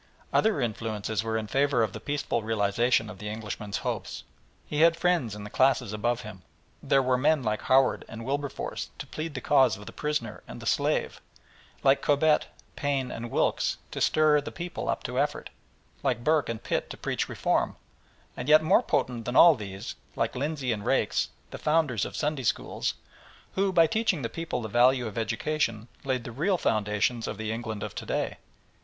Other influences were in favour of the peaceful realisation of the Englishman's hopes. He had friends in the classes above him. There were men like Howard and Wilberforce to plead the cause of the prisoner and the slave, like Cobbett, Paine, and Wilkes to stir the people up to effort, like Burke and Pitt to preach reform, and yet more potent than all these, like Lindsey and Raikes, the founders of Sunday Schools, who, by teaching the people the value of education, laid the real foundations of the England of to day.